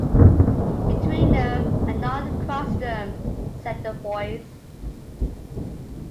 “Between them and not across them,” said the voice.